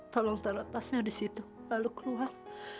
tolong tolong tasnya di situ lalu keluar